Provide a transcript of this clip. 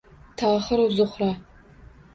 Tohiru Zuhro